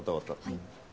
はい。